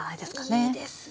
あいいですね！